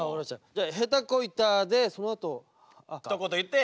じゃあ下手こいたでそのあと。